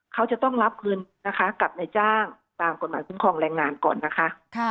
เขาจะต้องรับเงินนะคะกับนายจ้างตามกฎหมายคุ้มครองแรงงานก่อนนะคะ